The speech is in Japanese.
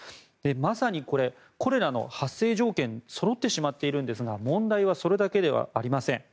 まさにコレラの発生条件がそろってしまっているんですが問題はそれだけではありません。